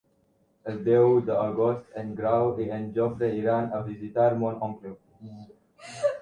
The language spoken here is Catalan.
El deu d'agost en Grau i en Jofre iran a visitar mon oncle.